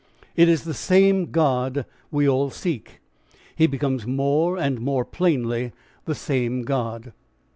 ... It is the same God we all seek; he becomes more and more plainly the same God.